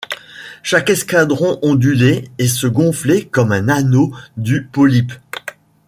Chaque escadron ondulait et se gonflait comme un anneau du polype.